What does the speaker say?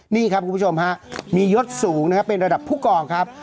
นี่ครับคุณผู้ชมฮะมียศสูงนะครับเป็นระดับผู้กองครับ